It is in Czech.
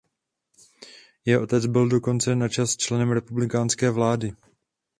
Jeho otec byl dokonce načas členem republikánské vlády.